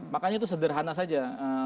makanya itu sederhana saja